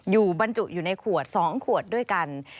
บรรจุอยู่ในขวด๒ขวดด้วยกัน